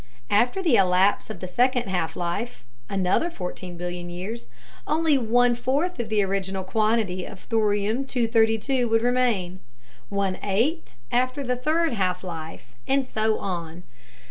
After the elapse of second half life (another 14 billion years), only one fourth of the original quantity of thorium 232 would remain, one eighth after the third half life, and so on.